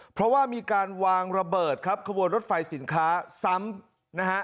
เพราะว่ามีการวางระเบิดครับขบวนรถไฟสินค้าซ้ำนะฮะ